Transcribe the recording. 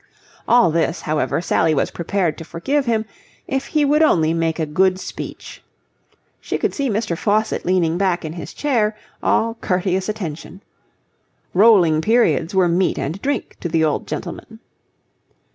All this, however, Sally was prepared to forgive him, if he would only make a good speech. She could see Mr. Faucitt leaning back in his chair, all courteous attention. Rolling periods were meat and drink to the old gentleman.